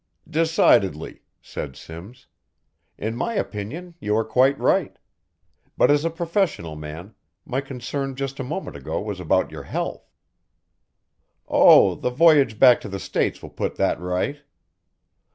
"Decidedly," said Simms. "In my opinion you are quite right. But as a professional man my concern just a moment ago was about your health." "Oh, the voyage back to the States will put that right."